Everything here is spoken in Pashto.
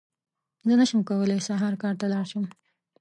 زه نشم کولی سهار کار ته لاړ شم!